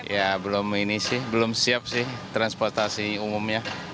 ya belum ini sih belum siap sih transportasi umumnya